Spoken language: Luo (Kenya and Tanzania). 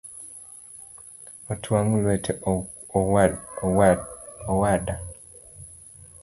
Otwang’ lwete owada